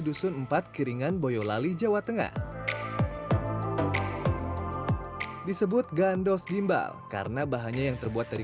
dusun empat kiringan boyolali jawa tengah disebut gandos gimbal karena bahannya yang terbuat dari